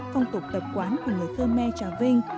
phong tục tập quán của người khmer trà vinh